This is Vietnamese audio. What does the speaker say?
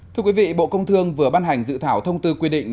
thưa quý vị bộ công thương vừa ban hành dự thảo thông tư quy định